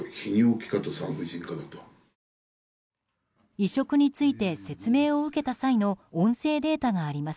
移植について説明を受けた際の音声データがあります。